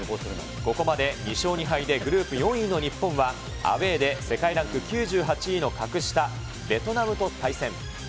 ここまで２勝２敗で、グループ４位の日本は、アウエーで世界ランク９８位の格下、ベトナムと対戦。